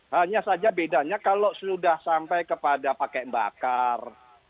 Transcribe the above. hanya saja bedanya kalau sudah sampai kepada pakai bakar